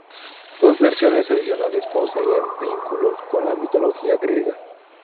Dos versiones adicionales poseían vínculos con la mitología griega.